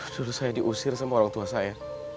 suruh saya diusir sama orang tua saya